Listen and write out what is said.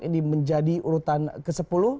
ini menjadi urutan ke sepuluh